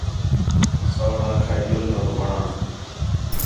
سوڑ آکھا ہِِے ڄُل تؤک وڑاں